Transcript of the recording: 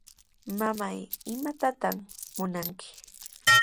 Mamay, ¿imatataq munanki?